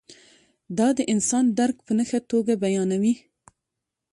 دا د انسان درک په ښه توګه بیانوي.